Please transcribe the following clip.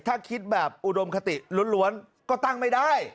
ถ้าคิดแบบอุดมคติล้วนก็ตั้งไม่ได้